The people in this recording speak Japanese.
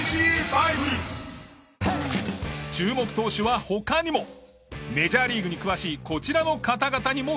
注目投手は他にも。メジャーリーグに詳しいこちらの方々にも伺った。